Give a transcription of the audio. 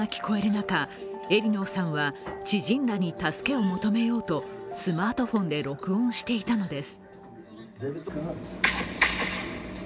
中エリノーさんは知人らに助けを求めようとスマートフォンで録音していたのです。